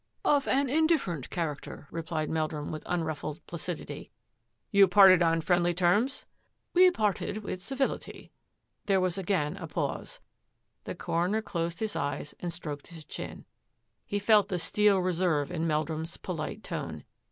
Of an indifferent character," replied Meldrum with unruffled placidify. " You parted on friendly terms? "" We parted with civility." There was again a pause. The coroner closed his eyes and stroked his chin. He felt the steel reserve in Meldrum's polite tone.